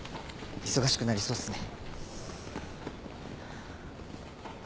忙しくなりそうっすね。